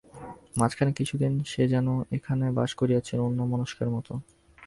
মাঝখানে কিছুদিন সে যেন এখানে বাস করিয়াছিল অন্যমনস্কের মতো।